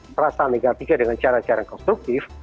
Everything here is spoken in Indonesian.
perasaan negatifnya dengan cara cara konstruktif